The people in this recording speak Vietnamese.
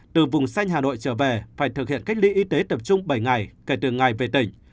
từ vùng xanh hà nội trở về phải thực hiện cách ly y tế tập trung bảy ngày kể từ ngày về tỉnh